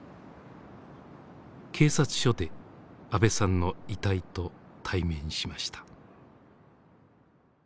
警察署で阿部さんの遺体と対面しました。